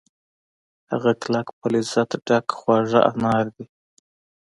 هغه کلک په لذت ډک خواږه انار دي